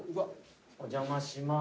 お邪魔します。